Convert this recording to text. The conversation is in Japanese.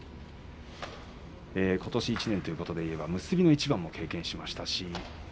ことし１年ということでは結びの一番も経験しました。